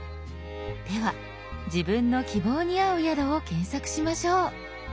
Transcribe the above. では自分の希望に合う宿を検索しましょう。